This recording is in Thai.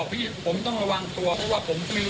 ก็จะต้องทำเหมือนกัน